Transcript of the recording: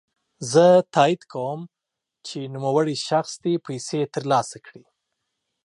زه تاييد کوم چی نوموړی شخص دي پيسې ترلاسه کړي.